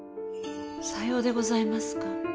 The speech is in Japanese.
さようでございますか。